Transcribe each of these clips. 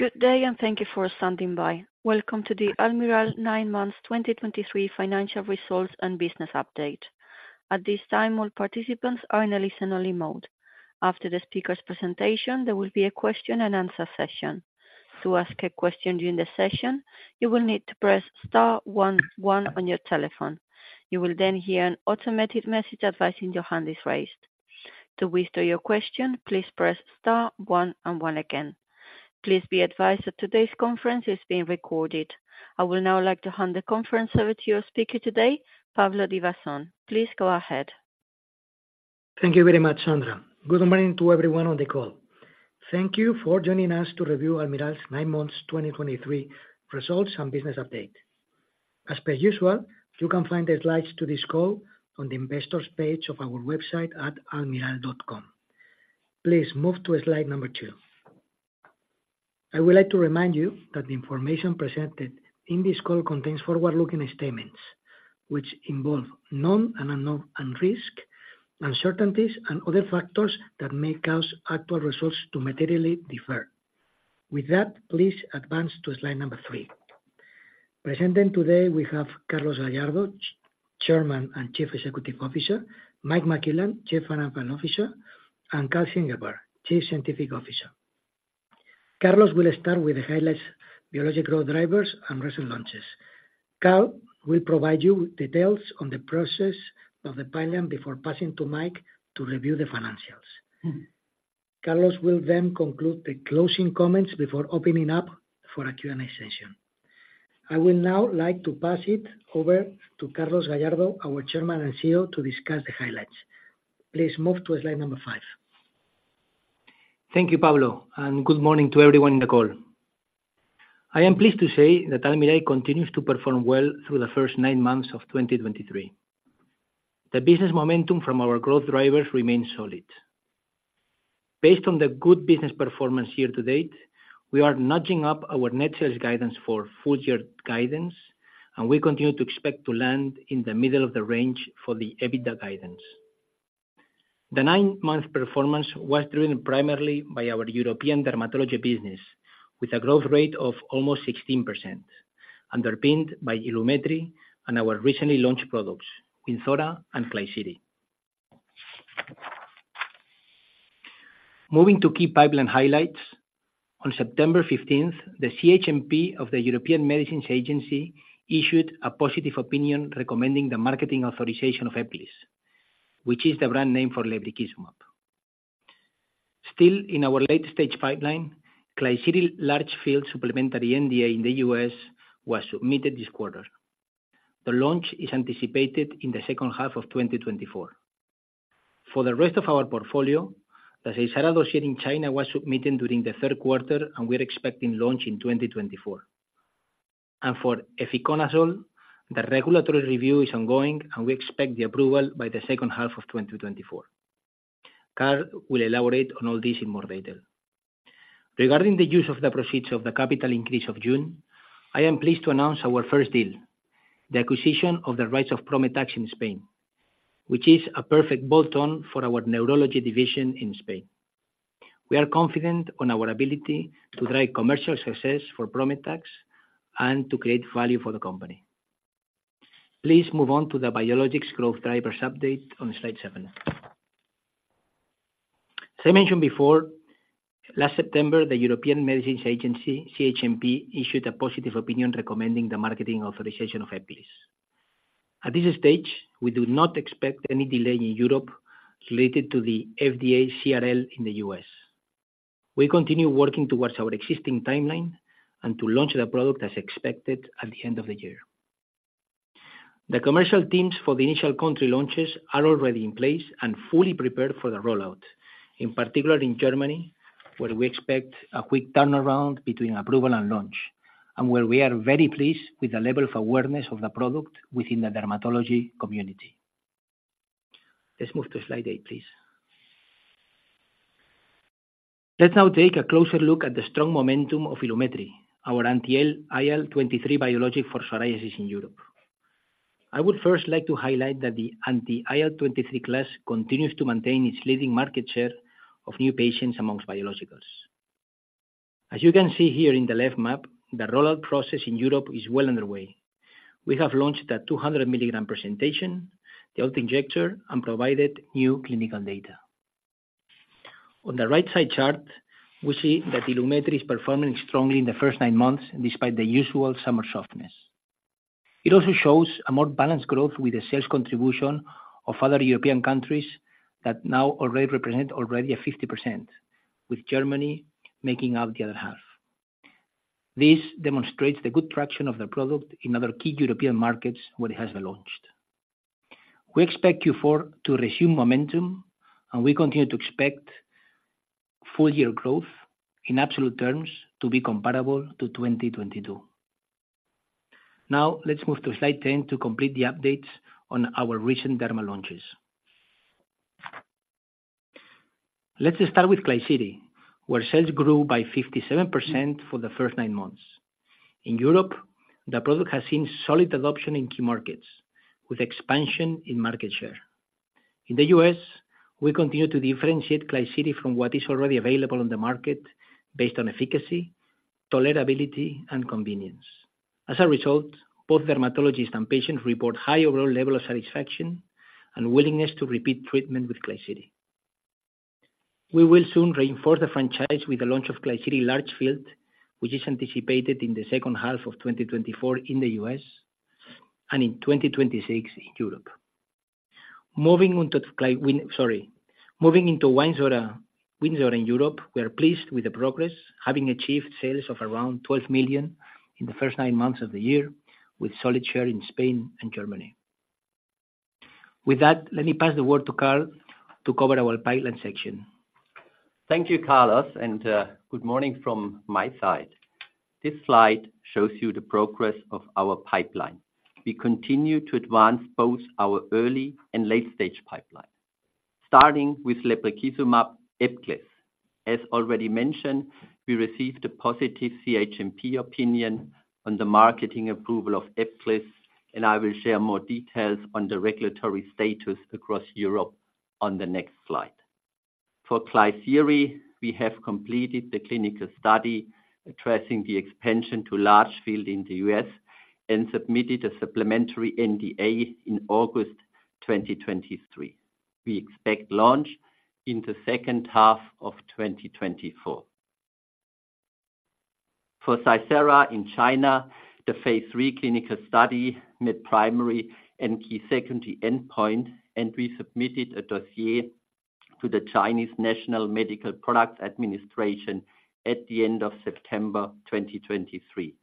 Good day, and thank you for standing by. Welcome to the Almirall Nine Months 2023 Financial Results and Business Update. At this time, all participants are in a listen-only mode. After the speaker's presentation, there will be a question and answer session. To ask a question during the session, you will need to press star one one on your telephone. You will then hear an automated message advising your hand is raised. To withdraw your question, please press star one one again. Please be advised that today's conference is being recorded. I will now turn the conference over to your speaker today, Pablo Divasson. Please go ahead. Thank you very much, Sandra. Good morning to everyone on the call. Thank you for joining us to review Almirall's nine months 2023 results and business update. As per usual, you can find the slides to this call on the investors page of our website at almirall.com. Please move to slide number two. I would like to remind you that the information presented in this call contains forward-looking statements, which involve known and unknown risks, uncertainties, and other factors that may cause actual results to materially differ. With that, please advance to slide number three. Presenting today, we have Carlos Gallardo, Chairman and Chief Executive Officer, Mike McClellan, Chief Financial Officer, and Karl Ziegelbauer, Chief Scientific Officer. Carlos will start with the highlights, biologic growth drivers, and recent launches. Carlos will provide you with details on the process of the pipeline before passing to Mike to review the financials. Carlos will then conclude the closing comments before opening up for a Q&A session. I will now like to pass it over to Carlos Gallardo, our Chairman and CEO, to discuss the highlights. Please move to slide number five. Thank you, Pablo, and good morning to everyone on the call. I am pleased to say that Almirall continues to perform well through the first nine months of 2023. The business momentum from our growth drivers remains solid. Based on the good business performance year to date, we are nudging up our net sales guidance for full-year guidance, and we continue to expect to land in the middle of the range for the EBITDA guidance. The nine-month performance was driven primarily by our European dermatology business, with a growth rate of almost 16%, underpinned by Ilumetri and our recently launched products, Wynzora and Klisyri. Moving to key pipeline highlights, on September 15th, the CHMP of the European Medicines Agency issued a positive opinion, recommending the marketing authorization of Ebglyss, which is the brand name for lebrikizumab. Still, in our late-stage pipeline, Klisyri Large Field supplementary NDA in the U.S. was submitted this quarter. The launch is anticipated in the second half of 2024. For the rest of our portfolio, the Seysara dossier in China was submitted during the third quarter, and we're expecting launch in 2024. For efinaconazole, the regulatory review is ongoing, and we expect the approval by the second half of 2024. Karl will elaborate on all this in more detail. Regarding the use of the proceeds of the capital increase of June, I am pleased to announce our first deal, the acquisition of the rights of Prometax in Spain, which is a perfect bolt-on for our neurology division in Spain. We are confident on our ability to drive commercial success for Prometax and to create value for the company. Please move on to the Biologics growth drivers update on slide seven. As I mentioned before, last September, the European Medicines Agency, CHMP, issued a positive opinion recommending the marketing authorization of Ebglyss. At this stage, we do not expect any delay in Europe related to the FDA CRL in the U.S. We continue working towards our existing timeline and to launch the product as expected at the end of the year. The commercial teams for the initial country launches are already in place and fully prepared for the rollout, in particular in Germany, where we expect a quick turnaround between approval and launch, and where we are very pleased with the level of awareness of the product within the dermatology community. Let's move to slide eight, please. Let's now take a closer look at the strong momentum of Ilumetri, our anti-IL-23 biologic for psoriasis in Europe. I would first like to highlight that the anti-IL-23 class continues to maintain its leading market share of new patients amongst biologicals. As you can see here in the left map, the rollout process in Europe is well underway. We have launched a 200 milligram presentation, the auto-injector, and provided new clinical data. On the right-side chart, we see that Ilumetri is performing strongly in the first nine months, despite the usual summer softness. It also shows a more balanced growth with the sales contribution of other European countries that now already represent a 50%, with Germany making up the other half. This demonstrates the good traction of the product in other key European markets where it has been launched. We expect Q4 to resume momentum, and we continue to expect full-year growth in absolute terms to be comparable to 2022. Now, let's move to slide 10 to complete the updates on our recent derma launches. Let's start with Klisyri, where sales grew by 57% for the first nine months. In Europe, the product has seen solid adoption in key markets, with expansion in market share. In the U.S., we continue to differentiate Klisyri from what is already available on the market based on efficacy, tolerability, and convenience. As a result, both dermatologists and patients report high overall level of satisfaction and willingness to repeat treatment with Klisyri. We will soon reinforce the franchise with the launch of Klisyri Large Field, which is anticipated in the second half of 2024 in the U.S. and in 2026 in Europe. Moving into Wynzora in Europe, we are pleased with the progress, having achieved sales of around 12 million in the first nine months of the year, with solid share in Spain and Germany. With that, let me pass the word to Karl to cover our pipeline section. Thank you, Carlos, and good morning from my side. This slide shows you the progress of our pipeline. We continue to advance both our early and late-stage pipeline, starting with lebrikizumab Ebglyss. As already mentioned, we received a positive CHMP opinion on the marketing approval of Ebglyss, and I will share more details on the regulatory status across Europe on the next slide. For Klisyri, we have completed the clinical study addressing the expansion to large field in the U.S. and submitted a supplementary NDA in August 2023. We expect launch in the second half of 2024. For Seysara in China, the phase III clinical study met primary and key secondary endpoint, and we submitted a dossier to the Chinese National Medical Products Administration at the end of September 2023.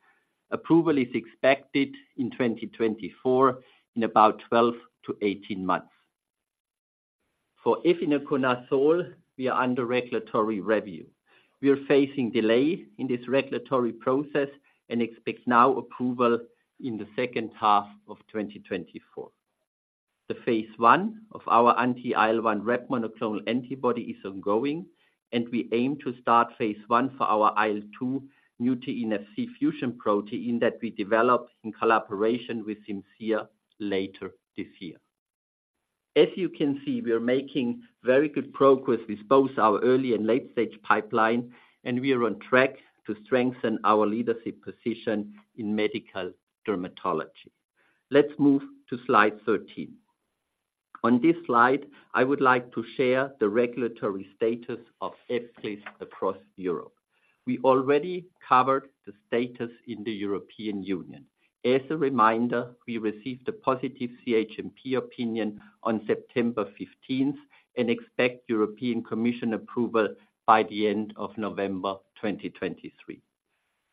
Approval is expected in 2024 in about 12-18 months. For efinaconazole, we are under regulatory review. We are facing delay in this regulatory process and expect now approval in the second half of 2024. The phase I of our anti-IL-1 RAP monoclonal antibody is ongoing, and we aim to start phase I for our IL-2 mutein Fc fusion protein that we developed in collaboration with Simcere later this year. As you can see, we are making very good progress with both our early and late-stage pipeline, and we are on track to strengthen our leadership position in medical dermatology. Let's move to slide 13. On this slide, I would like to share the regulatory status of Ebglyss across Europe. We already covered the status in the European Union. As a reminder, we received a positive CHMP opinion on September 15 and expect European Commission approval by the end of November 2023.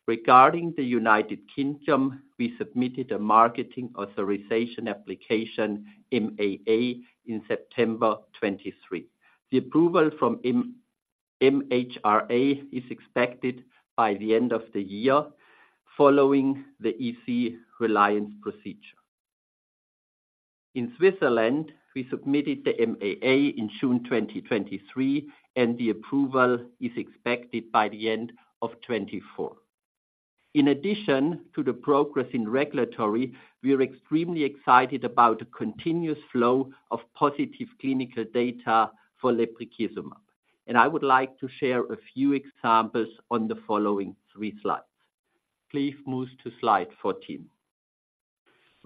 Regarding the United Kingdom, we submitted a marketing authorization application, MAA, in September 2023. The approval from MHRA is expected by the end of the year, following the EC reliance procedure. In Switzerland, we submitted the MAA in June 2023, and the approval is expected by the end of 2024. In addition to the progress in regulatory, we are extremely excited about the continuous flow of positive clinical data for lebrikizumab, and I would like to share a few examples on the following three slides. Please move to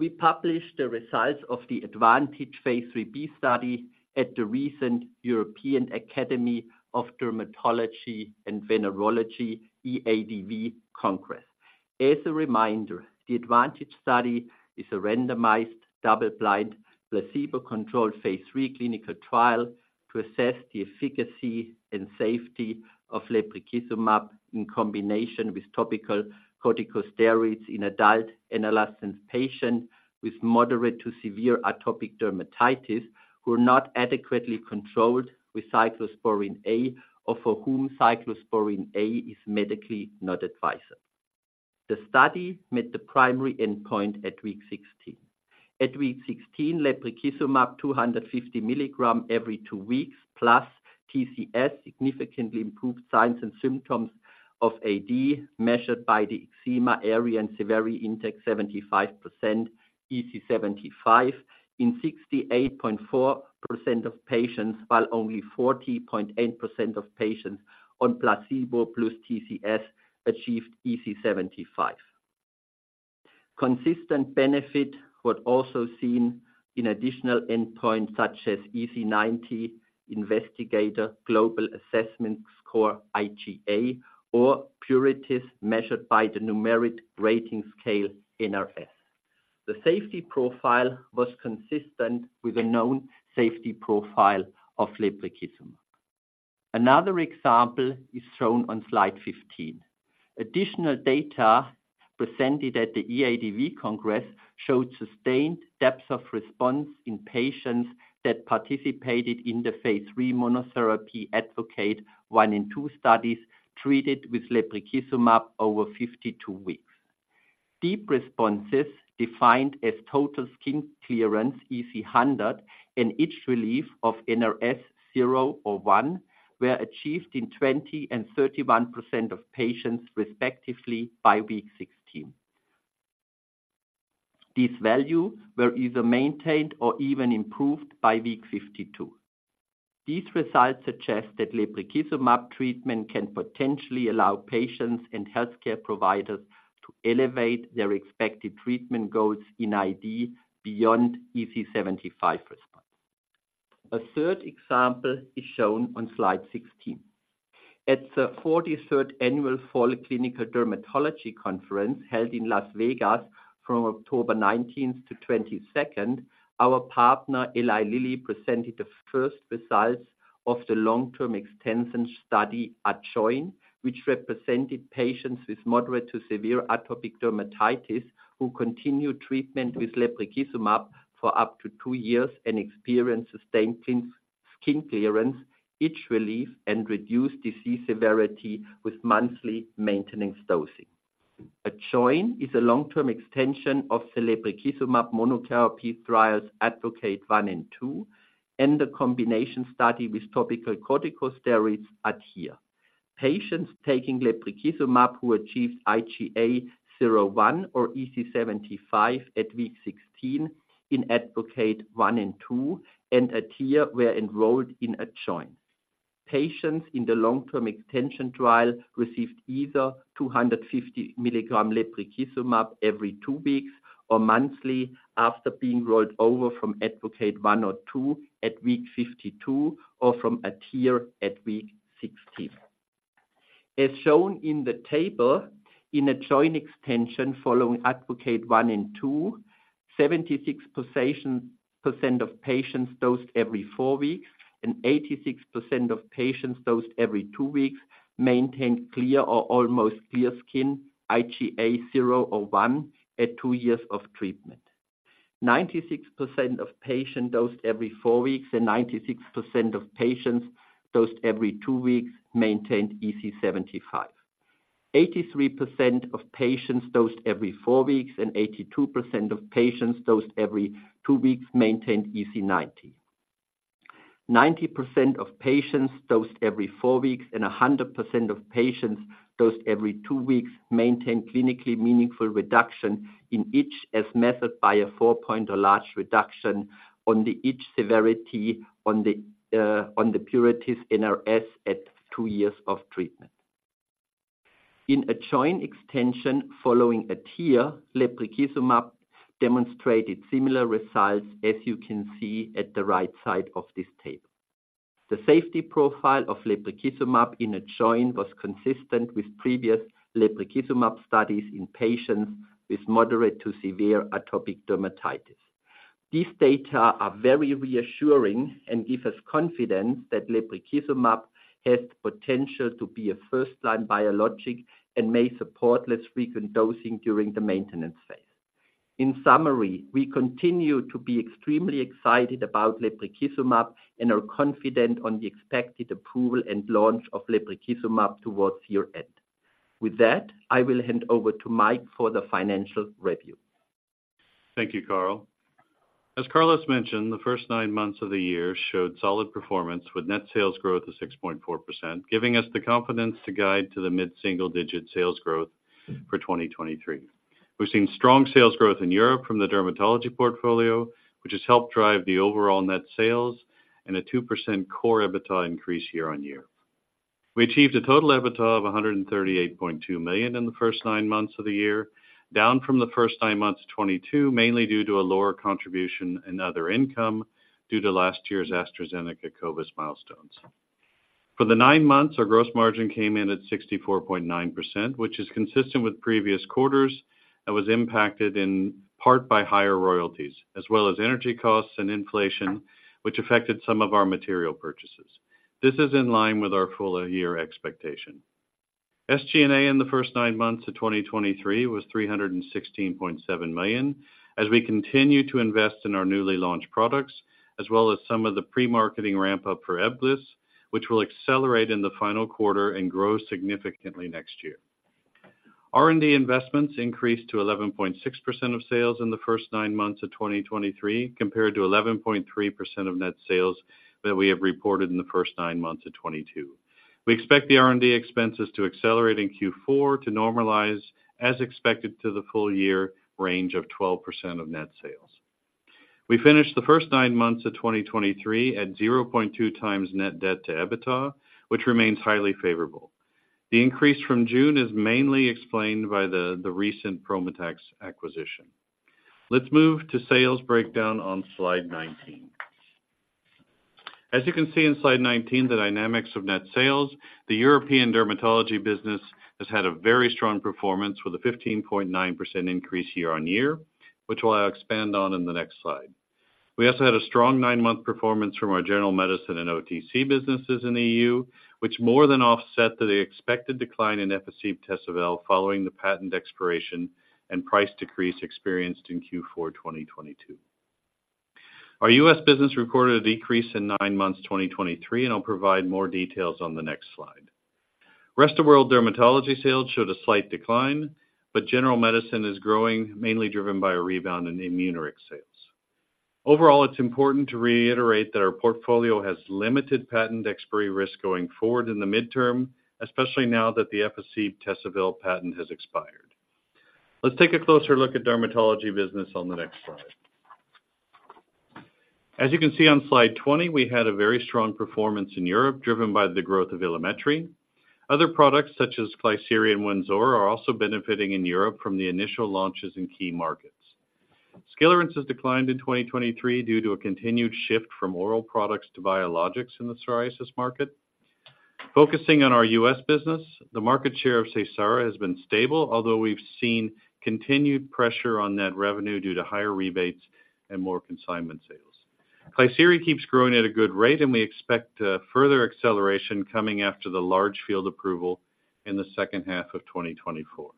slide 14. We published the results of the phase III-B study at the recent European Academy of Dermatology and Venereology, EADV Congress. As a reminder, the ADvantage study is a randomized, double-blind, placebo-controlled phase III clinical trial to assess the efficacy and safety of lebrikizumab in combination with topical corticosteroids in adult and adolescent patients with moderate to severe atopic dermatitis, who are not adequately controlled with cyclosporin A or for whom cyclosporin A is medically not advised. The study met the primary endpoint at week 16. At week 16, lebrikizumab 250 mg every two weeks, plus TCS, significantly improved signs and symptoms of AD, measured by the Eczema Area and Severity Index 75%, EASI-75, in 68.4% of patients, while only 40.8% of patients on placebo plus TCS achieved EASI-75. Consistent benefit was also seen in additional endpoints such as EASI-90, Investigator Global Assessment Score, IGA, or pruritus, measured by the Numeric Rating Scale, NRS. The safety profile was consistent with the known safety profile of lebrikizumab. Another example is shown on slide 15. Additional data presented at the EADV Congress showed sustained depth of response in patients that participated in the phase III monotherapy ADvocate1 and 2 studies treated with lebrikizumab over 52 weeks. Deep responses, defined as total skin clearance, EASI-100, and itch relief of NRS 0 or 1, were achieved in 20% and 31% of patients, respectively, by week 16. These values were either maintained or even improved by week 52. These results suggest that lebrikizumab treatment can potentially allow patients and healthcare providers to elevate their expected treatment goals in AD beyond EASI-75 response. A third example is shown on slide 16. At the 43rd Annual Fall Clinical Dermatology Conference, held in Las Vegas from October 19th-22, our partner, Eli Lilly, presented the first results of the long-term extension study, ADjoin, which represented patients with moderate to severe atopic dermatitis, who continued treatment with lebrikizumab for up to two years and experienced sustained clear skin clearance, itch relief, and reduced disease severity with monthly maintenance dosing. ADjoin is a long-term extension of the lebrikizumab monotherapy trials, ADvocate 1 and 2, and a combination study with topical corticosteroids, ADhere. Patients taking lebrikizumab, who achieved IGA 0/1 or EASI-75 at week 16 in ADvocate 1 and 2, and ADhere, were enrolled in ADjoin. Patients in the long-term extension trial received either 250 mg lebrikizumab every two weeks or monthly, after being rolled over from ADvocate 1 or 2 at week 52, or from ADhere at week 16. As shown in the table, in ADjoin extension, following ADvocate 1 and 2, 76% of patients dosed every four weeks, and 86% of patients dosed every two weeks, maintained clear or almost clear skin, IGA 0 or 1, at two years of treatment. 96% of patients dosed every four weeks, and 96% of patients dosed every two weeks, maintained EASI-75. 83% of patients dosed every four weeks, and 82% of patients dosed every two weeks, maintained EASI-90. 90% of patients dosed every four weeks, and 100% of patients dosed every two weeks, maintained clinically meaningful reduction in itch, as measured by a 4-point or greater reduction on the itch severity on the pruritus NRS at two years of treatment. In ADjoin extension, following ADhere, lebrikizumab demonstrated similar results, as you can see at the right side of this table. The safety profile of lebrikizumab in ADjoin was consistent with previous lebrikizumab studies in patients with moderate to severe atopic dermatitis. These data are very reassuring and give us confidence that lebrikizumab has the potential to be a first-line biologic and may support less frequent dosing during the maintenance phase. In summary, we continue to be extremely excited about lebrikizumab and are confident on the expected approval and launch of lebrikizumab towards year-end. With that, I will hand over to Mike for the financial review. Thank you, Karl. As Carlos mentioned, the first nine months of the year showed solid performance with net sales growth of 6.4%, giving us the confidence to guide to the mid-single digit sales growth for 2023. We've seen strong sales growth in Europe from the dermatology portfolio, which has helped drive the overall net sales and a 2% core EBITDA increase year-on-year. We achieved a total EBITDA of 138.2 million in the first nine months of the year, down from the first nine months of 2022, mainly due to a lower contribution in other income due to last year's AstraZeneca COVID milestones. For the nine months, our gross margin came in at 64.9%, which is consistent with previous quarters, and was impacted in part by higher royalties, as well as energy costs and inflation, which affected some of our material purchases. This is in line with our full year expectation. SG&A in the first nine months of 2023 was 316.7 million, as we continue to invest in our newly launched products, as well as some of the pre-marketing ramp-up for Ebglyss, which will accelerate in the final quarter and grow significantly next year. R&D investments increased to 11.6% of sales in the first nine months of 2023, compared to 11.3% of net sales that we have reported in the first nine months of 2022. We expect the R&D expenses to accelerate in Q4 to normalize as expected to the full year range of 12% of net sales. We finished the first nine months of 2023 at 0.2x net debt to EBITDA, which remains highly favorable. The increase from June is mainly explained by the recent Prometax acquisition. Let's move to sales breakdown on slide 19. As you can see in slide 19, the dynamics of net sales, the European dermatology business has had a very strong performance with a 15.9% increase year-on-year, which I will expand on in the next slide. We also had a strong nine-month performance from our general medicine and OTC businesses in EU, which more than offset the expected decline in Efficib/Tesavel, following the patent expiration and price decrease experienced in Q4 2022. Our U.S. business recorded a decrease in nine months, 2023, and I'll provide more details on the next slide. Rest of world dermatology sales showed a slight decline, but general medicine is growing, mainly driven by a rebound in Immunoryx sales. Overall, it's important to reiterate that our portfolio has limited patent expiry risk going forward in the midterm, especially now that the Efficib/Tesavel patent has expired. Let's take a closer look at dermatology business on the next slide. As you can see on slide 20, we had a very strong performance in Europe, driven by the growth of Ilumetri. Other products, such as Klisyri and Wynzora, are also benefiting in Europe from the initial launches in key markets. Skilarence has declined in 2023 due to a continued shift from oral products to biologics in the psoriasis market. Focusing on our U.S. business, the market share of Seysara has been stable, although we've seen continued pressure on net revenue due to higher rebates and more consignment sales. Klisyri keeps growing at a good rate, and we expect further acceleration coming after the large field approval in the second half of 2024.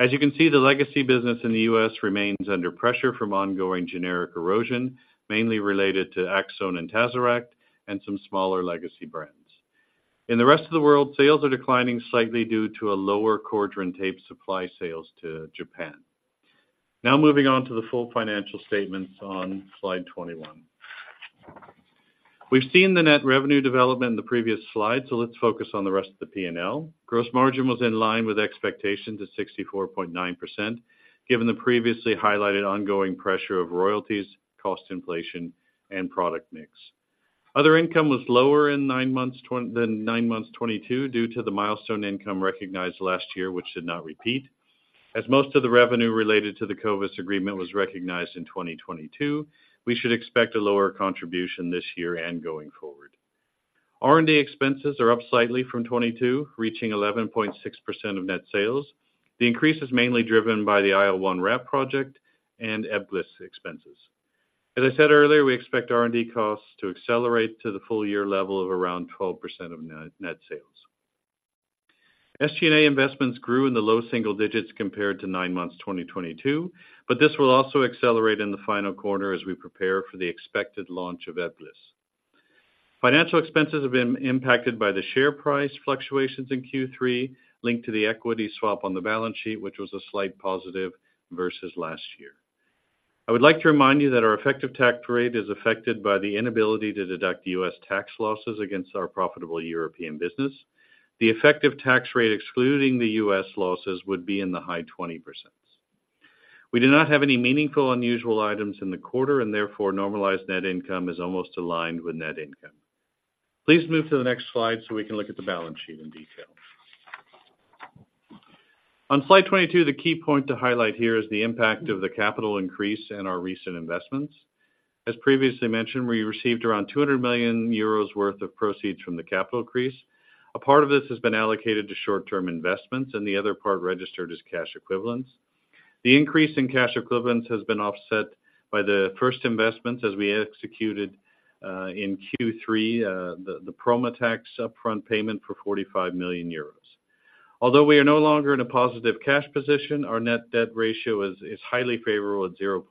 As you can see, the legacy business in the U.S. remains under pressure from ongoing generic erosion, mainly related to Aczone and TAZORAC, and some smaller legacy brands. In the rest of the world, sales are declining slightly due to a lower Cordran Tape supply sales to Japan. Now moving on to the full financial statements on slide 21. We've seen the net revenue development in the previous slide, so let's focus on the rest of the P&L. Gross margin was in line with expectation to 64.9%, given the previously highlighted ongoing pressure of royalties, cost inflation, and product mix. Other income was lower in nine months 2023 than nine months 2022, due to the milestone income recognized last year, which did not repeat. As most of the revenue related to the Covis agreement was recognized in 2022, we should expect a lower contribution this year and going forward. R&D expenses are up slightly from 2022, reaching 11.6% of net sales. The increase is mainly driven by the IL-1 RAP project and Ebglyss expenses. As I said earlier, we expect R&D costs to accelerate to the full year level of around 12% of net sales. SG&A investments grew in the low single digits compared to nine months, 2022, but this will also accelerate in the final quarter as we prepare for the expected launch of Ebglyss. Financial expenses have been impacted by the share price fluctuations in Q3, linked to the equity swap on the balance sheet, which was a slight positive versus last year. I would like to remind you that our effective tax rate is affected by the inability to deduct U.S. tax losses against our profitable European business. The effective tax rate, excluding the U.S. losses, would be in the high 20s%. We do not have any meaningful unusual items in the quarter, and therefore, normalized net income is almost aligned with net income. Please move to the next slide so we can look at the balance sheet in detail. On slide 22, the key point to highlight here is the impact of the capital increase and our recent investments. As previously mentioned, we received around 200 million euros worth of proceeds from the capital increase. A part of this has been allocated to short-term investments, and the other part registered as cash equivalents. The increase in cash equivalents has been offset by the first investments as we executed in Q3 the Prometax upfront payment for 45 million euros. Although we are no longer in a positive cash position, our net debt ratio is highly favorable at 0.2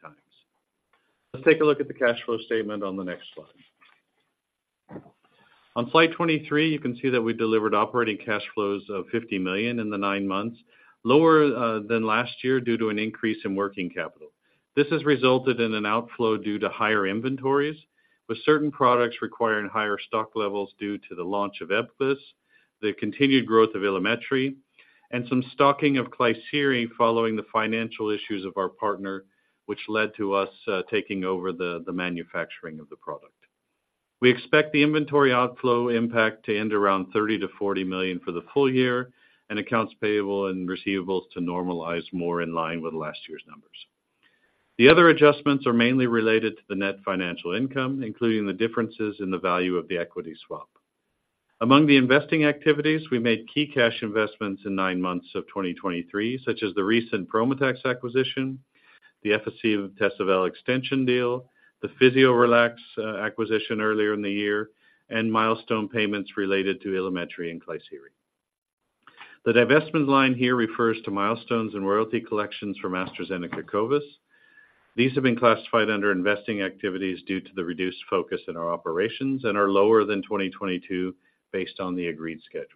times. Let's take a look at the cash flow statement on the next slide. On slide 23, you can see that we delivered operating cash flows of 50 million in the nine months, lower than last year due to an increase in working capital. This has resulted in an outflow due to higher inventories, with certain products requiring higher stock levels due to the launch of Ebglyss, the continued growth of Ilumetri, and some stocking of Klisyri following the financial issues of our partner, which led to us taking over the manufacturing of the product. We expect the inventory outflow impact to end around 30 million-40 million for the full year, and accounts payable and receivables to normalize more in line with last year's numbers. The other adjustments are mainly related to the net financial income, including the differences in the value of the equity swap. Among the investing activities, we made key cash investments in nine months of 2023, such as the recent Prometax acquisition, the FSC of Tesavel extension deal, the Physiorelax acquisition earlier in the year, and milestone payments related to Ilumetri and Klisyri. The divestment line here refers to milestones and royalty collections from AstraZeneca, Covis. These have been classified under investing activities due to the reduced focus in our operations and are lower than 2022 based on the agreed schedules.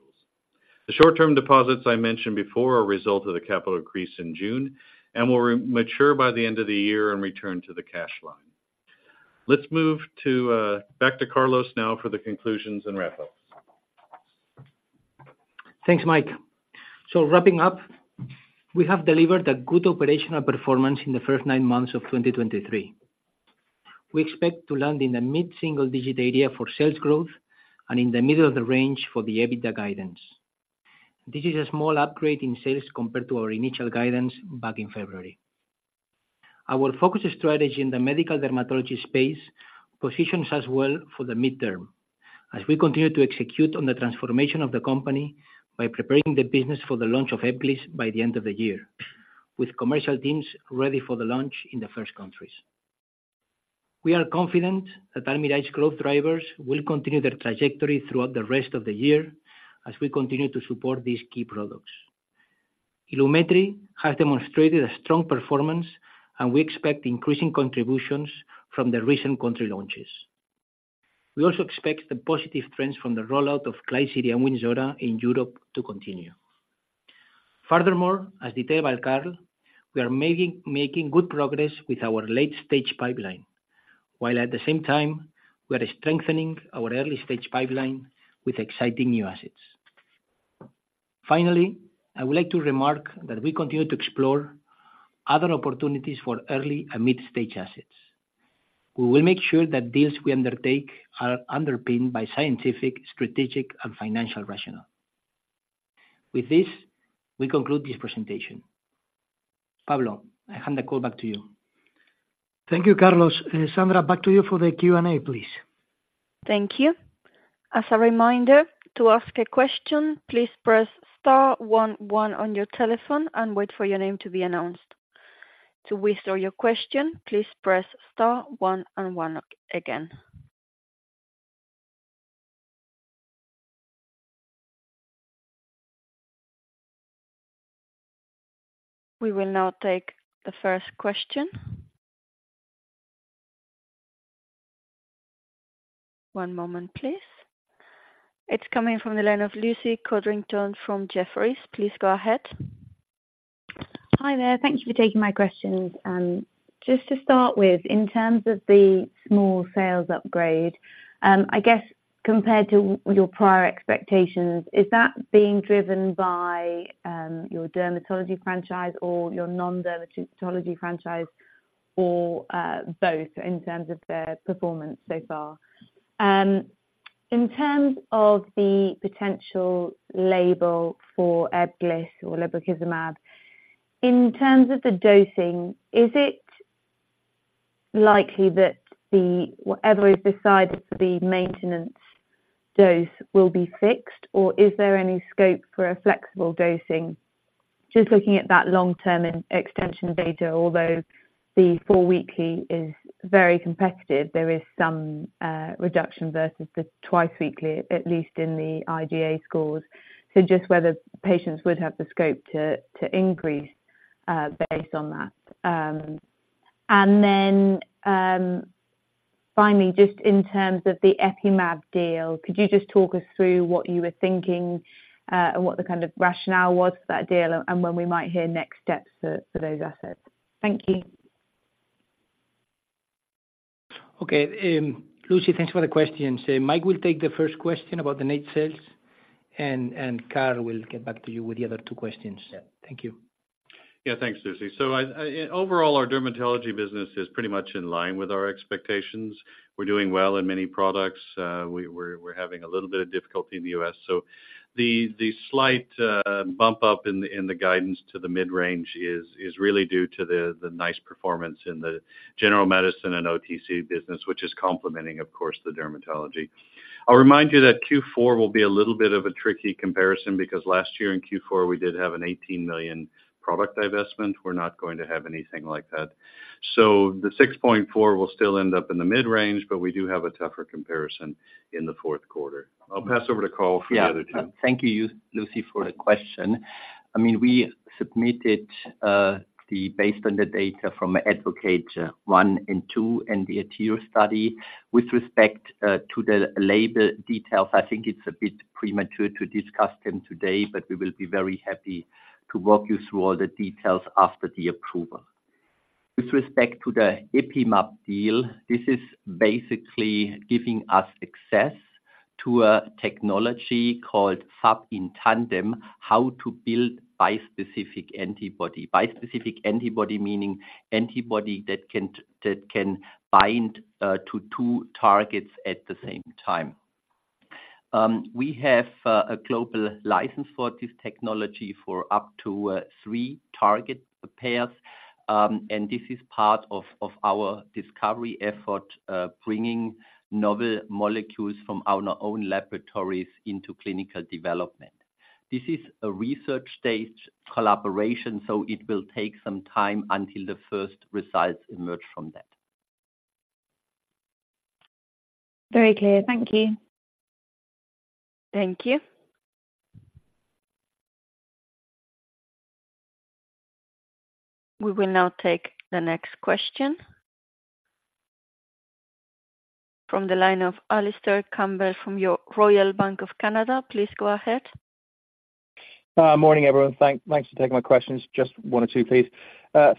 The short-term deposits I mentioned before are a result of the capital increase in June, and will remature by the end of the year and return to the cash line. Let's move to back to Carlos now for the conclusions and wrap-up. Thanks, Mike. So wrapping up, we have delivered a good operational performance in the first nine months of 2023. We expect to land in the mid-single-digit area for sales growth and in the middle of the range for the EBITDA guidance. This is a small upgrade in sales compared to our initial guidance back in February. Our focus strategy in the medical dermatology space positions us well for the midterm, as we continue to execute on the transformation of the company by preparing the business for the launch of Ebglyss by the end of the year, with commercial teams ready for the launch in the first countries. We are confident that Almirall's growth drivers will continue their trajectory throughout the rest of the year as we continue to support these key products. Ilumetri has demonstrated a strong performance, and we expect increasing contributions from the recent country launches. We also expect the positive trends from the rollout of Klisyri and Wynzora in Europe to continue. Furthermore, as detailed by Karl, we are making good progress with our late-stage pipeline, while at the same time, we are strengthening our early-stage pipeline with exciting new assets. Finally, I would like to remark that we continue to explore other opportunities for early and mid-stage assets. We will make sure that deals we undertake are underpinned by scientific, strategic, and financial rationale. With this, we conclude this presentation. Pablo, I hand the call back to you. Thank you, Carlos. Sandra, back to you for the Q&A, please. Thank you. As a reminder, to ask a question, please press star one one on your telephone and wait for your name to be announced. To withdraw your question, please press star one and one again. We will now take the first question. One moment, please. It's coming from the line of Lucy Codrington from Jefferies. Please go ahead. Hi there. Thank you for taking my questions. Just to start with, in terms of the small sales upgrade, I guess, compared to your prior expectations, is that being driven by your dermatology franchise or your non-dermatology franchise, or both in terms of the performance so far? In terms of the potential label for Ebglyss or lebrikizumab, in terms of the dosing, is it likely that the, whatever is decided for the maintenance dose will be fixed, or is there any scope for a flexible dosing? Just looking at that long-term extension data, although the four-weekly is very competitive, there is some reduction versus the twice weekly, at least in the IGA scores. So just whether patients would have the scope to increase based on that. And then, finally, just in terms of the EpimAb deal, could you just talk us through what you were thinking, and what the kind of rationale was for that deal and when we might hear next steps for those assets? Thank you. Okay, Lucy, thanks for the questions. Mike will take the first question about the net sales, and, and Karl will get back to you with the other two questions. Yeah. Thank you. Yeah. Thanks, Lucy. So overall, our dermatology business is pretty much in line with our expectations. We're doing well in many products. We're having a little bit of difficulty in the U.S. So the slight bump up in the guidance to the mid-range is really due to the nice performance in the general medicine and OTC business, which is complementing, of course, the dermatology. I'll remind you that Q4 will be a little bit of a tricky comparison because last year in Q4, we did have a 18 million product divestment. We're not going to have anything like that. So the 6.4 will still end up in the mid-range, but we do have a tougher comparison in the fourth quarter. I'll pass over to Karl for the other two. Yeah. Thank you, Lucy, for the question. I mean, we submitted based on the data from the ADvocate 1 and 2 and the ADhere study. With respect to the label details, I think it's a bit premature to discuss them today, but we will be very happy to walk you through all the details after the approval. With respect to the EpimAb deal, this is basically giving us access to a technology called Fabs-In-Tandem, how to build bispecific antibody. Bispecific antibody, meaning antibody that can bind to two targets at the same time. We have a global license for this technology for up to three target pairs, and this is part of our discovery effort, bringing novel molecules from our own laboratories into clinical development. This is a research stage collaboration, so it will take some time until the first results emerge from that. Very clear. Thank you. Thank you. We will now take the next question. From the line of Alistair Campbell from Royal Bank of Canada. Please go ahead. Morning, everyone. Thanks for taking my questions. Just one or two, please.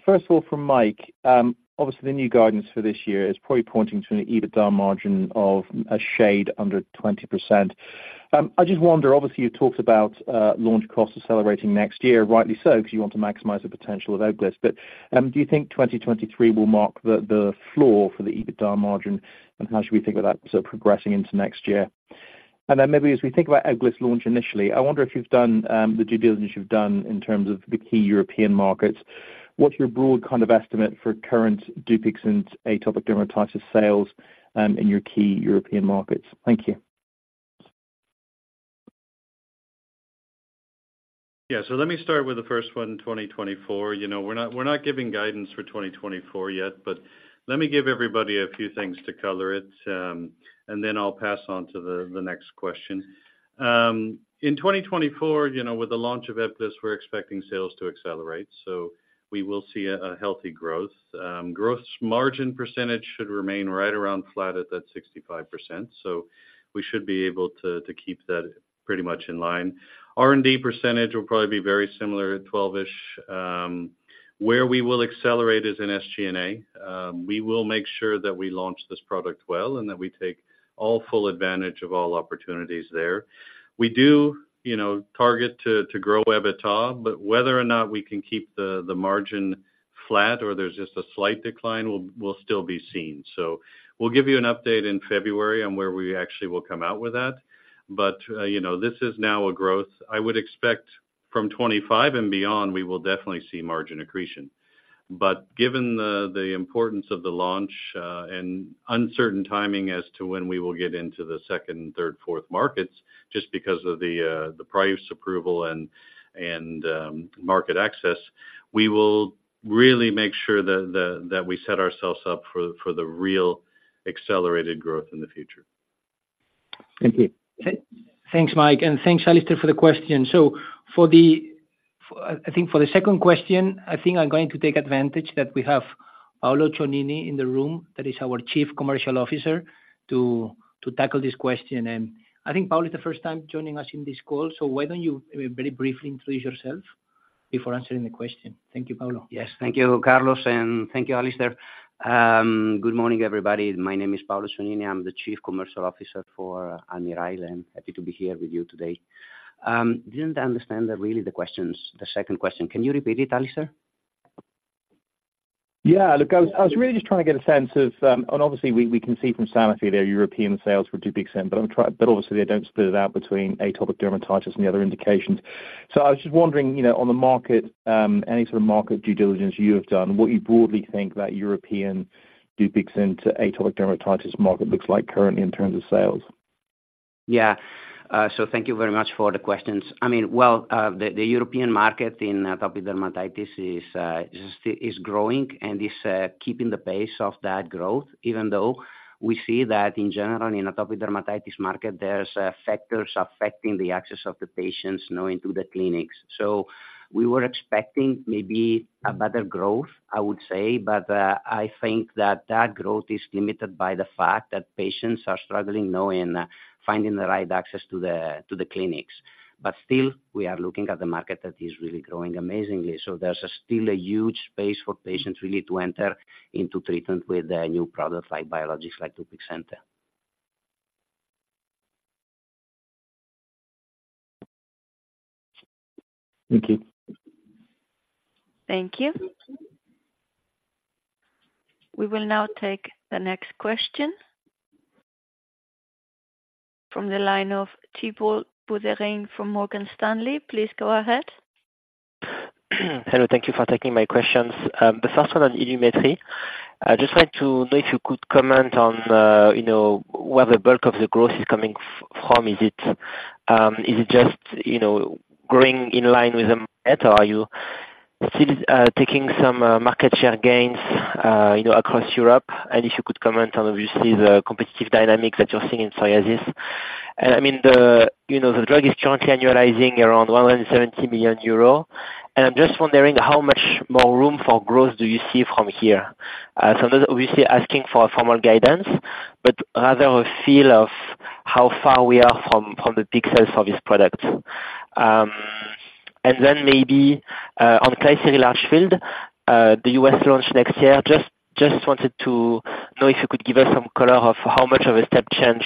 First of all, from Mike, obviously, the new guidance for this year is probably pointing to an EBITDA margin of a shade under 20%. I just wonder, obviously, you talked about, launch costs accelerating next year, rightly so, because you want to maximize the potential of Ebglyss. But, do you think 2023 will mark the floor for the EBITDA margin? And how should we think of that sort of progressing into next year? And then maybe as we think about Ebglyss launch initially, I wonder if you've done the due diligence you've done in terms of the key European markets. What's your broad kind of estimate for current Dupixent atopic dermatitis sales, in your key European markets? Thank you. Yeah, so let me start with the first one, 2024. You know, we're not, we're not giving guidance for 2024 yet, but let me give everybody a few things to color it, and then I'll pass on to the, the next question. In 2024, you know, with the launch of Ebglyss, we're expecting sales to accelerate, so we will see a, a healthy growth. Growth margin percentage should remain right around flat at that 65%, so we should be able to, to keep that pretty much in line. R&D percentage will probably be very similar at 12-ish. Where we will accelerate is in SG&A. We will make sure that we launch this product well, and that we take all full advantage of all opportunities there. We do, you know, target to grow EBITDA, but whether or not we can keep the margin flat or there's just a slight decline, will still be seen. So we'll give you an update in February on where we actually will come out with that. But, you know, this is now a growth I would expect from 25 and beyond, we will definitely see margin accretion. But given the importance of the launch, and uncertain timing as to when we will get into the second, third, fourth markets, just because of the price approval and market access, we will really make sure that we set ourselves up for the real accelerated growth in the future. Thank you. Thanks, Mike, and thanks, Alistair, for the question. So for the... I think for the second question, I think I'm going to take advantage that we have Paolo Cionini in the room, that is our Chief Commercial Officer, to, to tackle this question. And I think Paolo is the first time joining us in this call, so why don't you very briefly introduce yourself before answering the question? Thank you, Paolo. Yes, thank you, Carlos, and thank you, Alistair. Good morning, everybody. My name is Paolo Cionini. I'm the Chief Commercial Officer for Almirall. Happy to be here with you today. Didn't understand that really the questions, the second question. Can you repeat it, Alistair? Yeah. Look, I was really just trying to get a sense of... And obviously, we can see from Sanofi their European sales for Dupixent, but obviously they don't split it out between atopic dermatitis and the other indications. So I was just wondering, you know, on the market, any sort of market due diligence you have done, what you broadly think that European Dupixent atopic dermatitis market looks like currently in terms of sales? Yeah. So thank you very much for the questions. I mean, well, the European market in atopic dermatitis is growing and is keeping the pace of that growth, even though we see that in general, in atopic dermatitis market, there's factors affecting the access of the patients now into the clinics. So we were expecting maybe a better growth, I would say, but I think that that growth is limited by the fact that patients are struggling now in finding the right access to the clinics. But still, we are looking at the market that is really growing amazingly. So there's still a huge space for patients really to enter into treatment with a new product like biologics, like Dupixent. Thank you. Thank you. We will now take the next question. From the line of Thibault Boutherin from Morgan Stanley, please go ahead. Hello, thank you for taking my questions. The first one on Ilumetri. I'd just like to know if you could comment on, you know, where the bulk of the growth is coming from. Is it, is it just, you know, growing in line with the in, or are you still, taking some, market share gains, you know, across Europe? And if you could comment on, obviously, the competitive dynamics that you're seeing in psoriasis. And I mean, the, you know, the drug is currently annualizing around 170 million euros, and I'm just wondering how much more room for growth do you see from here? So I'm obviously asking for a formal guidance, but rather a feel of how far we are from the peak sales of this product. And then maybe on Klisyri, large field, the U.S. launch next year. Just, just wanted to know if you could give us some color of how much of a step change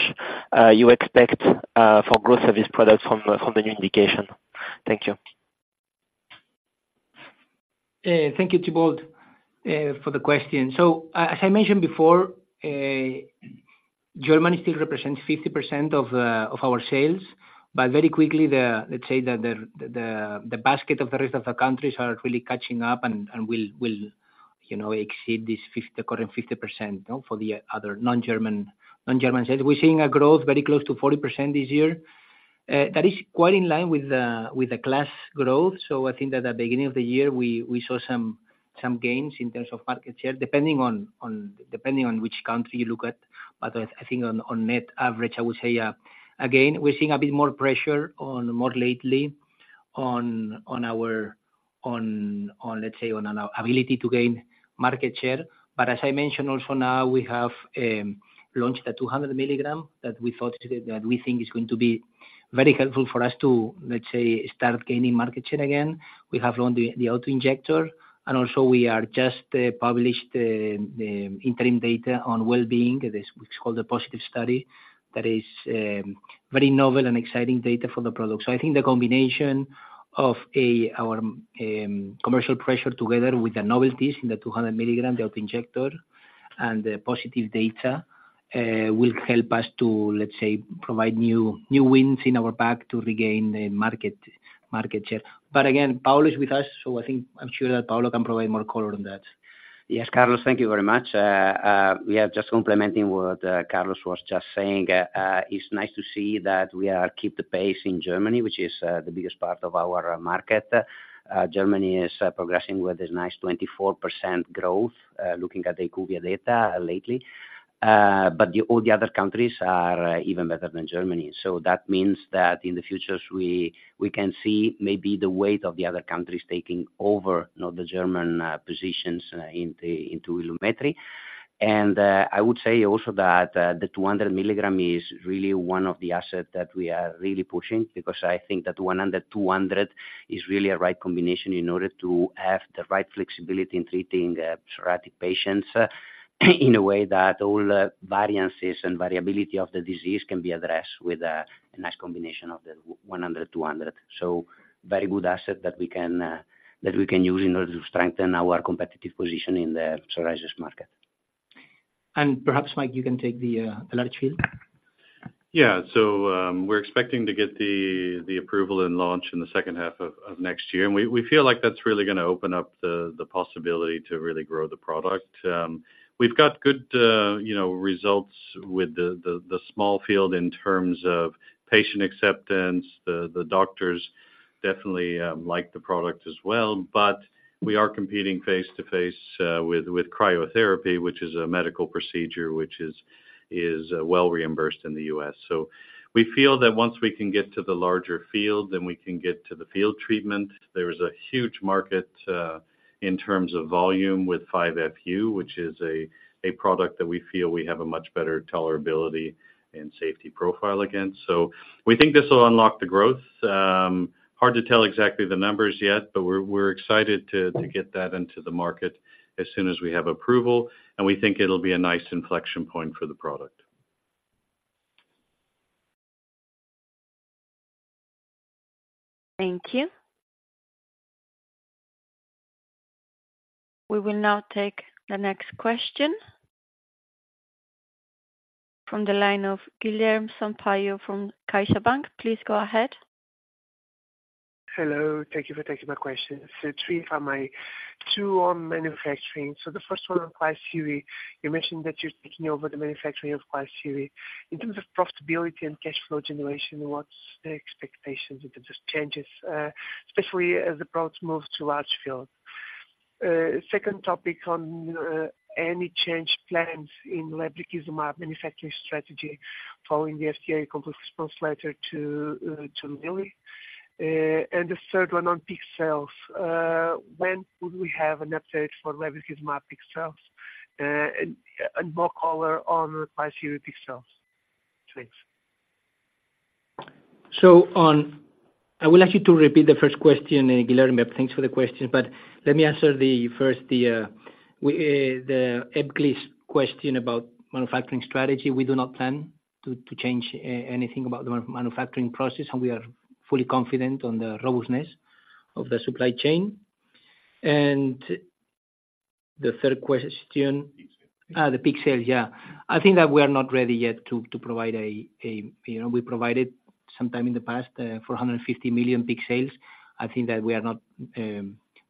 you expect for growth of this product from the new indication? Thank you. Thank you, Thibault, for the question. So as I mentioned before, Germany still represents 50% of our sales, but very quickly, let's say that the basket of the rest of the countries are really catching up and will, you know, exceed this current 50%, you know, for the other non-German sales. We're seeing a growth very close to 40% this year. That is quite in line with the class growth. So I think that the beginning of the year, we saw some gains in terms of market share, depending on which country you look at. But I think on net average, I would say, again, we're seeing a bit more pressure on, more lately on our ability to gain market share. But as I mentioned also, now we have launched a 200 mg that we thought that we think is going to be very helpful for us to, let's say, start gaining market share again. We have launched the auto-injector, and also we are just published the interim data on well-being, this, which is called the positive study. That is very novel and exciting data for the product. So I think the combination of our commercial pressure together with the novelties in the 200 mg, the auto-injector, and the positive data will help us to, let's say, provide new, new wins in our bag to regain the market, market share. But again, Paolo is with us, so I think I'm sure that Paolo can provide more color on that. Yes, Carlos, thank you very much. We are just complementing what Carlos was just saying. It's nice to see that we are keep the pace in Germany, which is the biggest part of our market. Germany is progressing with a nice 24% growth, looking at the IQVIA data lately. But all the other countries are even better than Germany. So that means that in the future, we can see maybe the weight of the other countries taking over, not the German positions in Ilumetri. I would say also that the 200 mg is really one of the assets that we are really pushing, because I think that 100, 200 is really a right combination in order to have the right flexibility in treating psoriatic patients, in a way that all variances and variability of the disease can be addressed with a nice combination of the 100, 200. So very good asset that we can use in order to strengthen our competitive position in the psoriasis market. Perhaps, Mike, you can take the large field. Yeah. So, we're expecting to get the approval and launch in the second half of next year. And we feel like that's really gonna open up the possibility to really grow the product. We've got good, you know, results with the small field in terms of patient acceptance. The doctors definitely like the product as well, but we are competing face-to-face with cryotherapy, which is a medical procedure, which is well reimbursed in the U.S. So we feel that once we can get to the larger field, then we can get to the field treatment. There is a huge market in terms of volume with 5-FU, which is a product that we feel we have a much better tolerability and safety profile against. So we think this will unlock the growth. Hard to tell exactly the numbers yet, but we're excited to get that into the market as soon as we have approval, and we think it'll be a nice inflection point for the product. Thank you. We will now take the next question. From the line of Guilherme Sampaio from CaixaBank. Please go ahead. Hello. Thank you for taking my question. So three for my two on manufacturing. So the first one on Klisyri, you mentioned that you're taking over the manufacturing of Klisyri. In terms of profitability and cash flow generation, what's the expectations, if it just changes, especially as the product moves to large field? Second topic on any change plans in lebrikizumab manufacturing strategy following the FDA complete response letter to Lilly. And the third one on peak sales. When would we have an update for lebrikizumab peak sales? And more color on Klisyri peak sales. Thanks. I would like you to repeat the first question, Guilherme. Thanks for the question, but let me answer the first, the Ebglyss question about manufacturing strategy. We do not plan to change anything about the manufacturing process, and we are fully confident on the robustness of the supply chain. And the third question- Peak sales. The peak sales, yeah. I think that we are not ready yet to provide, you know, we provided sometime in the past 450 million peak sales. I think that we are not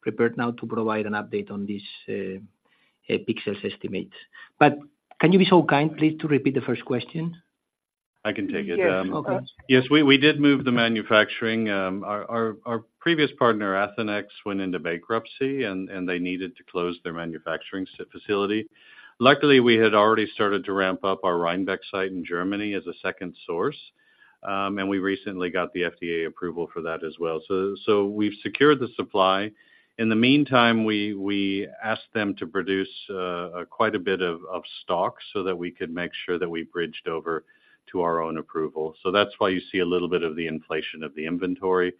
prepared now to provide an update on this peak sales estimate. But can you be so kind, please, to repeat the first question? I can take it. Sure. Okay. Yes, we did move the manufacturing. Our previous partner, Athenex, went into bankruptcy, and they needed to close their manufacturing facility. Luckily, we had already started to ramp up our Reinbek site in Germany as a second source, and we recently got the FDA approval for that as well. So we've secured the supply. In the meantime, we asked them to produce quite a bit of stock so that we could make sure that we bridged over to our own approval. So that's why you see a little bit of the inflation of the inventory.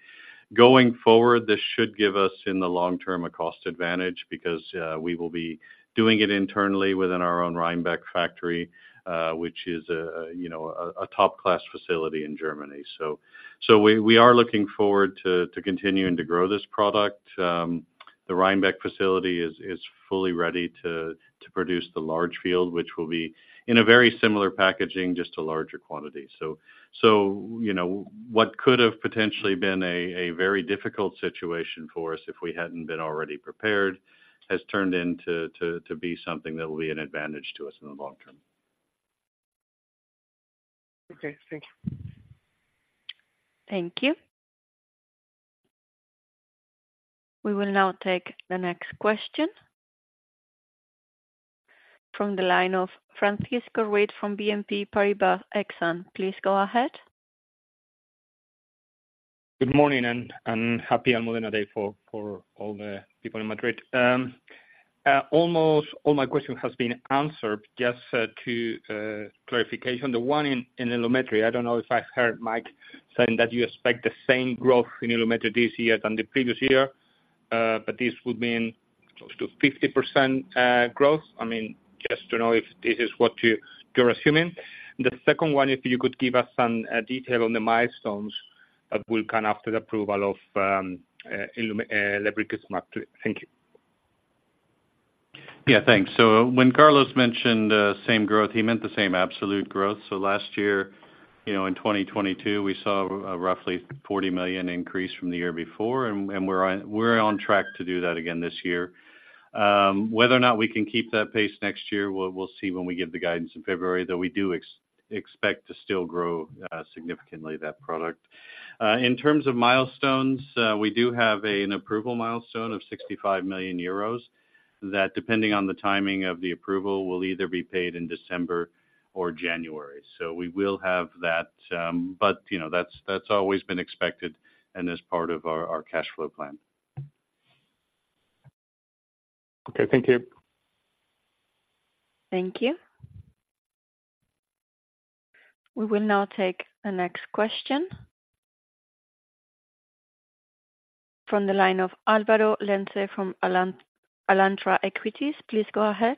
Going forward, this should give us, in the long term, a cost advantage because we will be doing it internally within our own Reinbek factory, which is a top-class facility in Germany. So we are looking forward to continuing to grow this product. The Reinbek facility is fully ready to produce the Large Field, which will be in a very similar packaging, just a larger quantity. So, you know, what could have potentially been a very difficult situation for us if we hadn't been already prepared, has turned into to be something that will be an advantage to us in the long term. Okay, thank you. Thank you. We will now take the next question. From the line of Francisco Ruiz from BNP Paribas Exane. Please go ahead. Good morning, and happy Almudena day for all the people in Madrid. Almost all my question has been answered. Just to clarification, the one in Ilumetri, I don't know if I've heard Mike saying that you expect the same growth in Ilumetri this year than the previous year, but this would mean close to 50% growth. I mean, just to know if this is what you, you're assuming. The second one, if you could give us some detail on the milestones that will come after the approval of lebrikizumab. Thank you. Yeah, thanks. So when Carlos mentioned same growth, he meant the same absolute growth. So last year- You know, in 2022, we saw a roughly 40 million increase from the year before, and we're on track to do that again this year. Whether or not we can keep that pace next year, we'll see when we give the guidance in February, though we do expect to still grow significantly that product. In terms of milestones, we do have an approval milestone of 65 million euros, that depending on the timing of the approval, will either be paid in December or January. So we will have that, but, you know, that's always been expected and is part of our cash flow plan. Okay, thank you. Thank you. We will now take the next question. From the line of Álvaro Lenze from Alantra Equities, please go ahead.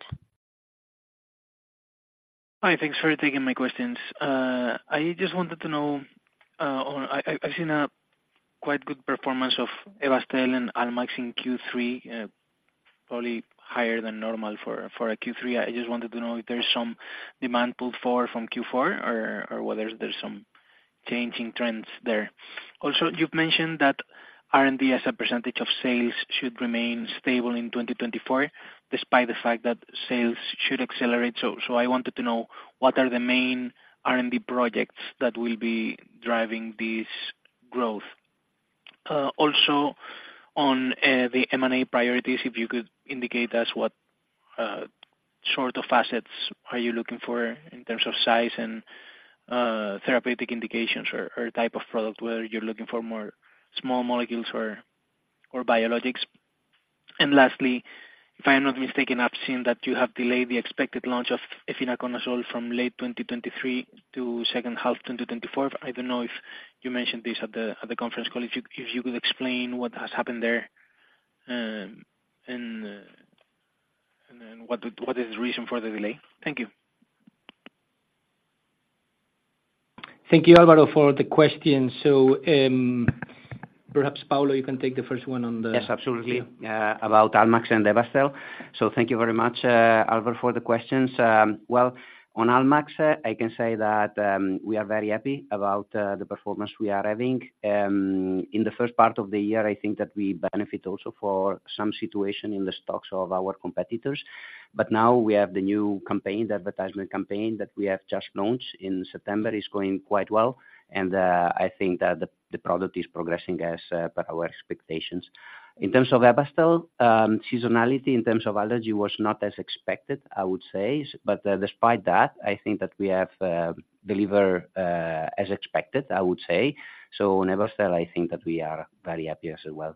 Hi, thanks for taking my questions. I just wanted to know, I've seen a quite good performance of ebastine and Almax in Q3, probably higher than normal for a Q3. I just wanted to know if there is some demand pulled forward from Q4 or whether there's some changing trends there. Also, you've mentioned that R&D as a percentage of sales should remain stable in 2024, despite the fact that sales should accelerate. I wanted to know, what are the main R&D projects that will be driving this growth? Also on the M&A priorities, if you could indicate us what sort of assets are you looking for in terms of size and therapeutic indications or type of product, whether you're looking for more small molecules or biologics. And lastly, if I'm not mistaken, I've seen that you have delayed the expected launch of efinaconazole from late 2023 to second half 2024. I don't know if you mentioned this at the conference call. If you could explain what has happened there, and then what is the reason for the delay? Thank you. Thank you, Álvaro, for the question. So, perhaps, Paolo, you can take the first one on the- Yes, absolutely. About Almax and Ebastel. So thank you very much, Alvaro, for the questions. Well, on Almax, I can say that we are very happy about the performance we are having. In the first part of the year, I think that we benefit also for some situation in the stocks of our competitors. But now we have the new campaign, the advertisement campaign, that we have just launched in September, is going quite well. And I think that the product is progressing as per our expectations. In terms of Ebastel, seasonality in terms of allergy was not as expected, I would say. But despite that, I think that we have deliver as expected, I would say. So in Ebastel, I think that we are very happy as well.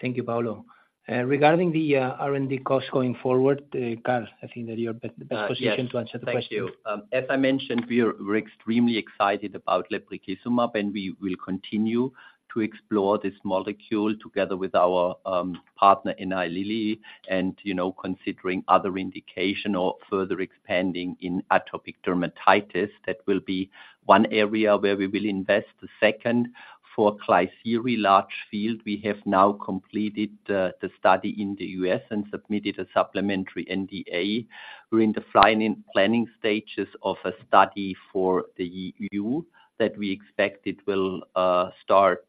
Thank you, Paolo. Regarding the R&D cost going forward, Karl, I think that you're in the best position- Uh, yes... to answer the question. Thank you. As I mentioned, we're extremely excited about lebrikizumab, and we will continue to explore this molecule together with our partner in Eli Lilly, and, you know, considering other indication or further expanding in atopic dermatitis, that will be one area where we will invest. The second, for Klisyri large field, we have now completed the study in the U.S. and submitted a supplementary NDA. We're in the final planning stages of a study for the E.U., that we expect it will start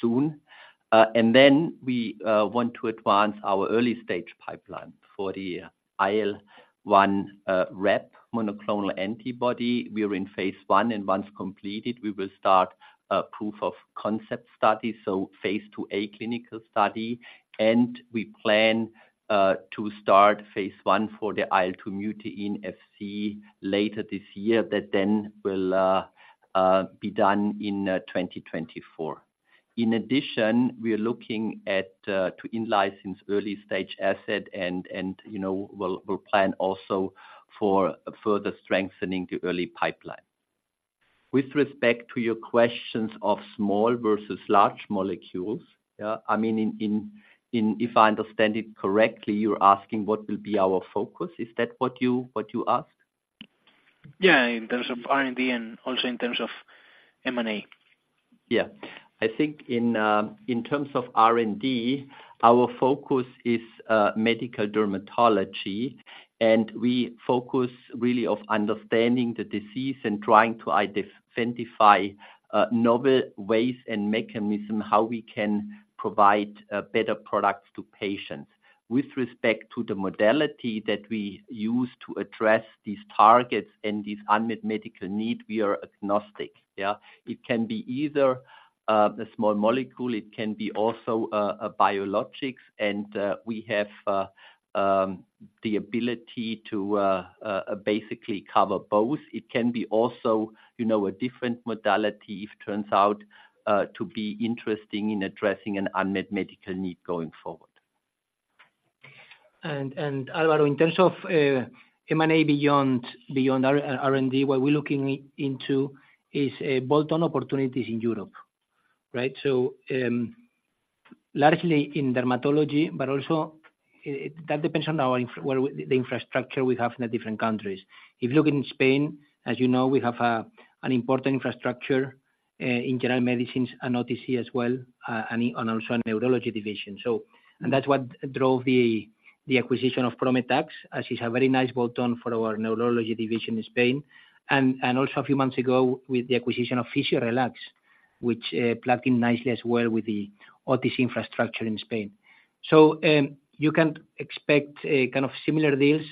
soon. And then we want to advance our early-stage pipeline for the IL-1 RAP monoclonal antibody. We are in phase I, and once completed, we will start a proof of concept study, so phase IIa clinical study. And we plan to start phase I for the IL-2 mutein Fc later this year. That then will be done in 2024. In addition, we are looking at to in-license early stage asset and, you know, we'll plan also for further strengthening the early pipeline. With respect to your questions of small versus large molecules, I mean, if I understand it correctly, you're asking what will be our focus? Is that what you ask? Yeah, in terms of R&D and also in terms of M&A. Yeah. I think in, in terms of R&D, our focus is, medical dermatology, and we focus really of understanding the disease and trying to identify, novel ways and mechanism, how we can provide, better products to patients. With respect to the modality that we use to address these targets and these unmet medical need, we are agnostic. Yeah. It can be either, a small molecule, it can be also, a biologics, and, we have, the ability to, basically cover both. It can be also, you know, a different modality, if turns out, to be interesting in addressing an unmet medical need going forward. Álvaro, in terms of M&A beyond R&D, what we're looking into is bolt-on opportunities in Europe, right? Largely in dermatology, but also it depends on our infrastructure we have in the different countries. If you look in Spain, as you know, we have an important infrastructure in general medicines and OTC as well, and also a neurology division. So, that's what drove the acquisition of Prometax, as it's a very nice add-on for our neurology division in Spain. And also a few months ago, with the acquisition of Physiorelax, which plugged in nicely as well with the OTC infrastructure in Spain. So, you can expect a kind of similar deals.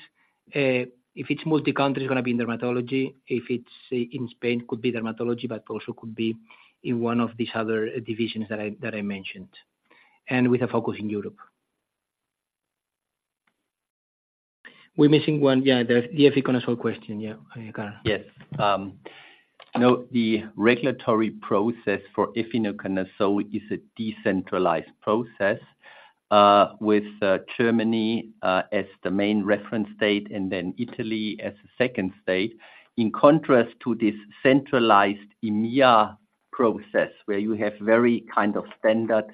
If it's multi-country, it's gonna be in dermatology. If it's in Spain, could be dermatology, but also could be in one of these other divisions that I mentioned, and with a focus in Europe. We're missing one. Yeah, the efinaconazole question. Yeah, Karl. Yes. No, the regulatory process for efinaconazole is a decentralized process, with Germany as the main reference state, and then Italy as the second state. In contrast to this centralized EMA process, where you have very kind of standard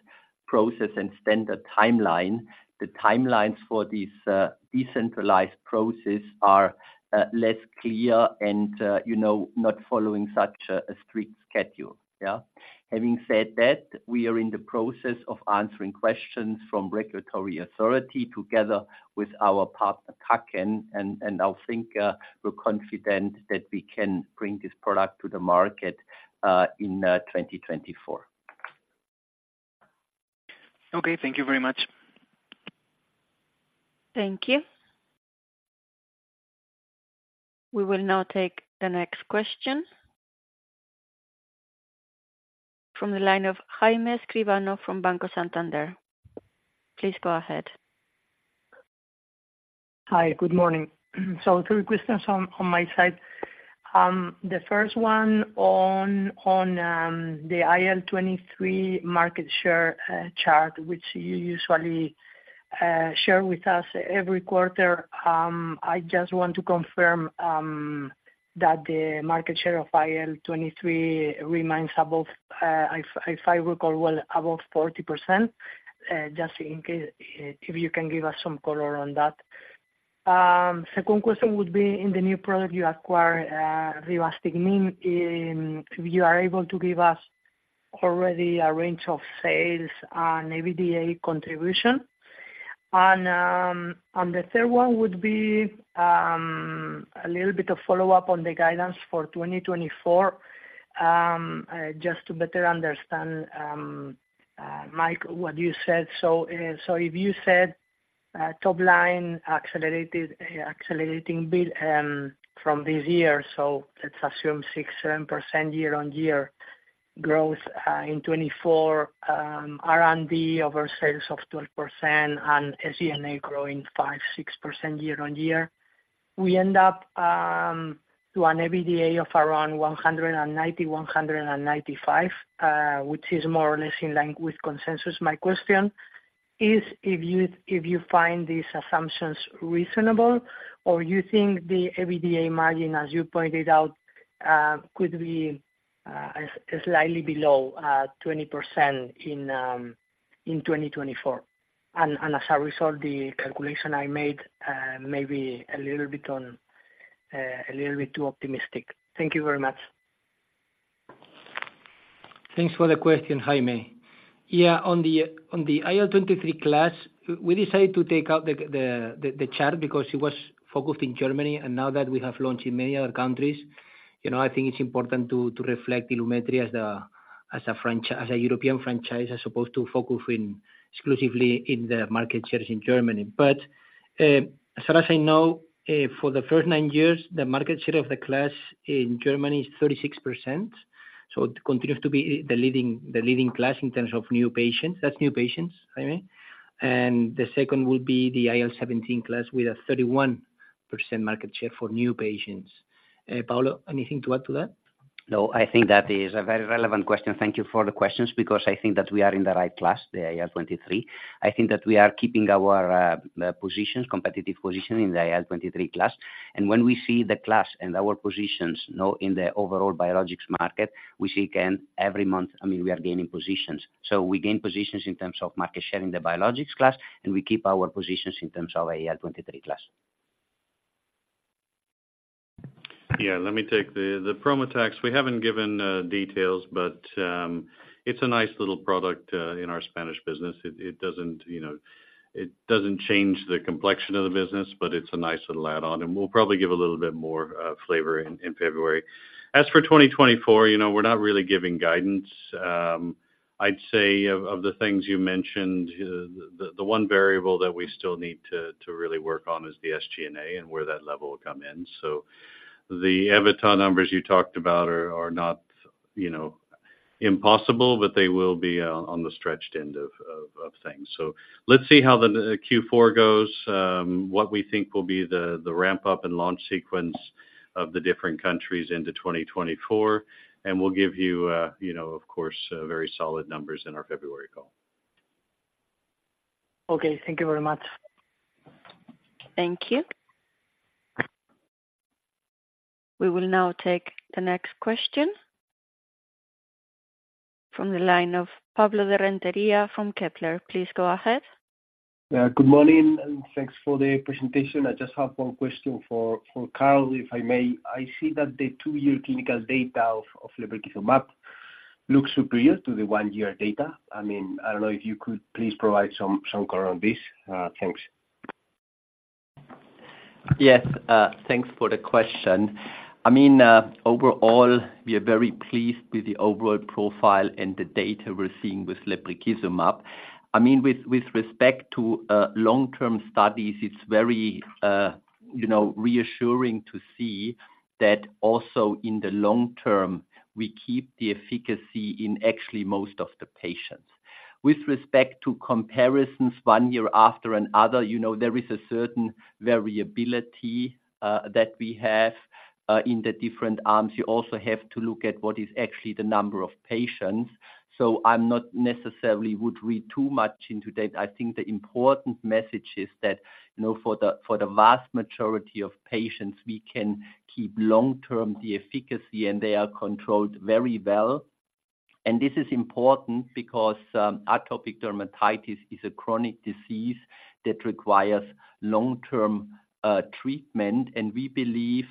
process and standard timeline, the timelines for this decentralized process are less clear and, you know, not following such a strict schedule. Yeah. Having said that, we are in the process of answering questions from regulatory authority together with our partner, Kaken, and I think we're confident that we can bring this product to the market in 2024. Okay, thank you very much. Thank you. We will now take the next question. From the line of Jaime Escribano from Banco Santander. Please go ahead. Hi, good morning. So three questions on my side. The first one on the IL-23 market share chart, which you usually share with us every quarter. I just want to confirm that the market share of IL-23 remains above, if I recall well, above 40%. Just in case, if you can give us some color on that. Second question would be, in the new product you acquired, rivastigmine, if you are able to give us already a range of sales and EBITDA contribution. The third one would be a little bit of follow-up on the guidance for 2024. Just to better understand, Mike, what you said. So if you said top line accelerated, accelerating bill from this year, so let's assume 6%-7% year-on-year growth in 2024, R&D over sales of 12% and SG&A growing 5%-6% year-on-year. We end up to an EBITDA of around 190-195 million, which is more or less in line with consensus. My question is, if you find these assumptions reasonable, or you think the EBITDA margin, as you pointed out, could be slightly below 20% in 2024? As a result, the calculation I made maybe a little bit on, a little bit too optimistic. Thank you very much. Thanks for the question, Jaime. Yeah, on the IL-23 class, we decided to take out the chart because it was focused in Germany, and now that we have launched in many other countries, you know, I think it's important to reflect Ilumetri as a franchise as a European franchise, as opposed to focus exclusively in the market shares in Germany. But as far as I know, for the first nine years, the market share of the class in Germany is 36%, so it continues to be the leading class in terms of new patients. That's new patients, Jaime. And the second would be the IL-17 class, with a 31% market share for new patients. Paolo, anything to add to that? No, I think that is a very relevant question. Thank you for the questions, because I think that we are in the right class, the IL-23. I think that we are keeping our positions, competitive position in the IL-23 class. And when we see the class and our positions, now in the overall biologics market, we see again, every month, I mean, we are gaining positions. So we gain positions in terms of market share in the biologics class, and we keep our positions in terms of IL-23 class. Yeah, let me take the Prometax. We haven't given details, but it's a nice little product in our Spanish business. It doesn't, you know, it doesn't change the complexion of the business, but it's a nice little add-on, and we'll probably give a little bit more flavor in February. As for 2024, you know, we're not really giving guidance. I'd say of the things you mentioned, the one variable that we still need to really work on is the SG&A and where that level will come in. So the EBITDA numbers you talked about are not, you know, impossible, but they will be on the stretched end of things. So let's see how the Q4 goes, what we think will be the ramp-up and launch sequence of the different countries into 2024, and we'll give you, you know, of course, very solid numbers in our February call. Okay, thank you very much. Thank you. We will now take the next question... From the line of Pablo de Rentería from Kepler, please go ahead. Good morning, and thanks for the presentation. I just have one question for Karl, if I may. I see that the two-year clinical data of lebrikizumab looks superior to the one-year data. I mean, I don't know if you could please provide some color on this? Thanks. Yes. Thanks for the question. I mean, overall, we are very pleased with the overall profile and the data we're seeing with lebrikizumab. I mean, with respect to long-term studies, it's very, you know, reassuring to see that also in the long term, we keep the efficacy in actually most of the patients. With respect to comparisons, one year after another, you know, there is a certain variability that we have in the different arms. You also have to look at what is actually the number of patients. So I'm not necessarily would read too much into that. I think the important message is that, you know, for the, for the vast majority of patients, we can keep long-term the efficacy, and they are controlled very well. This is important because atopic dermatitis is a chronic disease that requires long-term treatment. We believe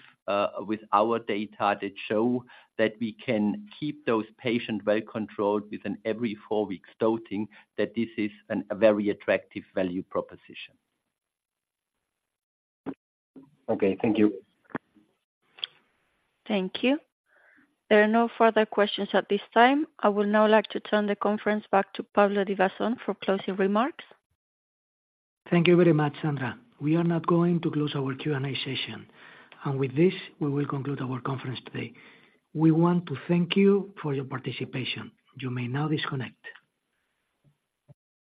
with our data that show that we can keep those patients well controlled within every four weeks dosing, that this is a very attractive value proposition. Okay. Thank you. Thank you. There are no further questions at this time. I would now like to turn the conference back to Pablo Divasson for closing remarks. Thank you very much, Sandra. We are now going to close our Q&A session, and with this, we will conclude our conference today. We want to thank you for your participation. You may now disconnect.